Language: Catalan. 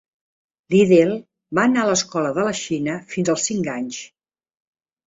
Liddell va anar a l'escola a la Xina fins als cinc anys.